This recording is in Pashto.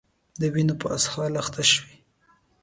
د وینو په اسهال اخته شوي